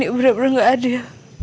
nek benar benar gak ada